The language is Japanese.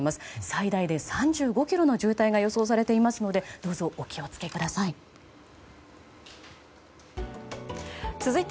最大で３５ｋｍの渋滞が予想されていますのでどうぞお気を付けください。